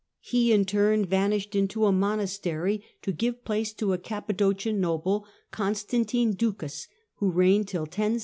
He in turn vanished into a monastery, to give place to a Cappadocian noble, Constantine Ducas, who reigned till 1067.